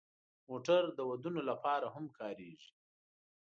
موټر د ودونو لپاره هم کارېږي.